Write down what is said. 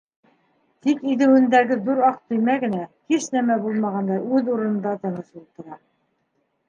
Тик иҙеүендәге ҙур аҡ төймә генә, һис нәмә булмағандай, үҙ урынында тыныс ултыра.